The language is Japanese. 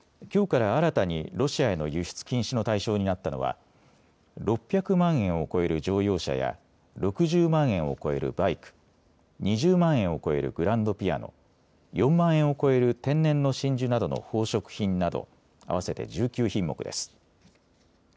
きょうから新たにロシアへの輸出禁止の対象になったのは６００万円を超える乗用車や６０万円を超えるバイク、２０万円を超えるグランドピアノ、４万円を超える天然の真珠などの宝飾品など合わせて１９品目です。